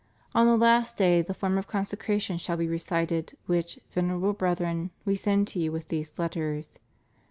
On the last day the form of consecration shall be recited which, Venerable Brethren, We send to you with these letters.